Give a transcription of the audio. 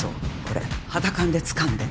これ肌感でつかんで？